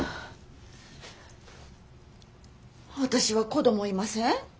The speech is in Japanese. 私は子供いません。